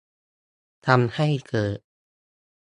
ทำให้เกิด